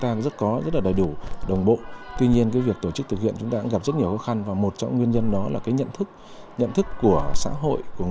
trông chờ ý lại